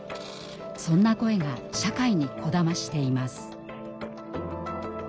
そんな声が社会にこだましています。